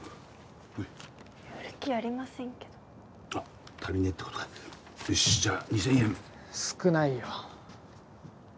はい売る気ありませんけど足りねえってことかよしじゃあ２千円少ないよ